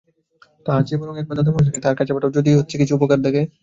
তাহার চেয়ে বরং একবার দাদামহাশয়কে তাঁহার কাছে পাঠাও, যদি কিছু উপকার দেখে।